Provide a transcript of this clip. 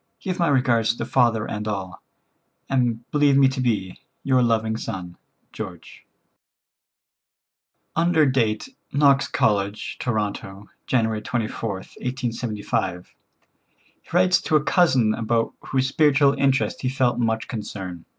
Give my regards to father and all, and believe me to be, "Your loving son, "George." Under date "Knox College, Toronto, January 24th, 1875," he writes to a cousin about whose spiritual interest he felt much concern.